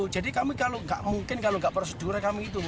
jadi kami kalau nggak mungkin kalau nggak prosedurnya kami itu